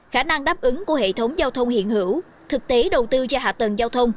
khả năng đáp ứng của hệ thống giao thông hiện hữu thực tế đầu tư cho hạ tầng giao thông